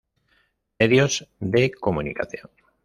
Medios de comunicación.